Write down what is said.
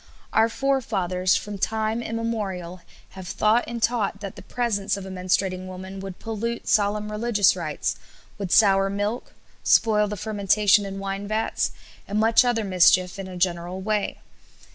Our forefathers, from time immemorial, have thought and taught that the presence of a menstruating woman would pollute solemn religious rites, would sour milk, spoil the fermentation in wine vats, and much other mischief in a general way.